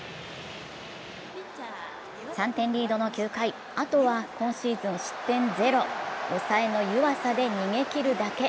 ３点リードの９回、あとは今シーズン失点ゼロ、抑えの湯浅で逃げ切るだけ。